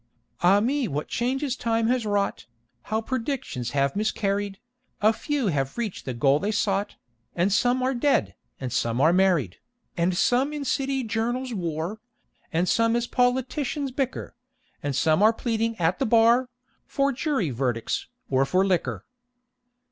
Ah me! what changes Time has wrought, And how predictions have miscarried! A few have reached the goal they sought, And some are dead, and some are married! And some in city journals war; And some as politicians bicker; And some are pleading at the bar For jury verdicts, or for liquor!